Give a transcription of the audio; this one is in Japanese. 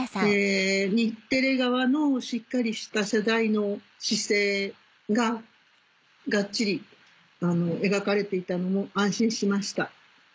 日テレ側のしっかりした取材の姿勢ががっちり描かれていたのも安心しました。